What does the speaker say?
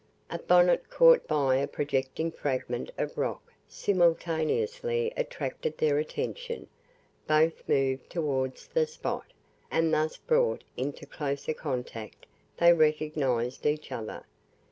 A bonnet caught by a projecting fragment of rock simultaneously attracted their attention: both moved towards the spot, and thus brought into closer contact they recognized each other.